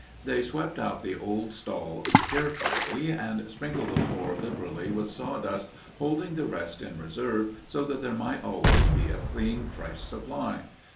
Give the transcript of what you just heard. They swept out the old stall carefully and sprinkled the floor liberally with sawdust, holding the rest in reserve, so that there might always be a clean, fresh supply.